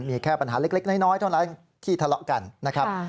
มีแค่ปัญหาเล็กน้อยเท่านั้นที่ทะเลาะกันนะครับ